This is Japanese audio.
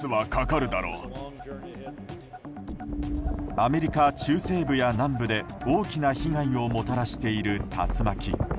アメリカ中西部や南部で大きな被害をもたらしている竜巻。